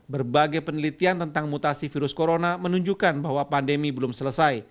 berbagai penelitian tentang mutasi virus corona menunjukkan bahwa pandemi belum selesai